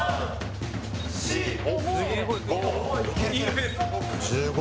いいペース！